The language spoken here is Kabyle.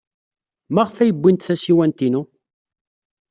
Maɣef ay wwint tasiwant-inu?